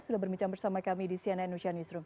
sudah berbicara bersama kami di cnn ocean newsroom